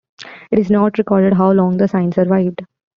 It is not recorded how long the sign survived.